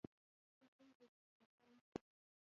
ښه خوی به دې سلطان کړي.